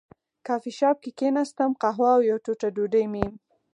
کافي شاپ کې کېناستم، قهوه او یوه ټوټه ډوډۍ مې.